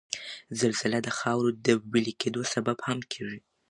زلزله د د خاورو د ویلي کېدو سبب هم کیږي